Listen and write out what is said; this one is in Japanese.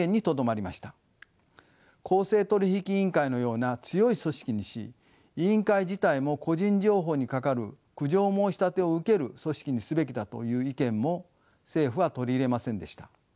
公正取引委員会のような強い組織にし委員会自体も個人情報にかかる苦情申し立てを受ける組織にすべきだという意見も政府は取り入れませんでした。